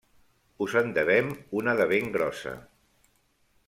Us en devem una de ben grossa!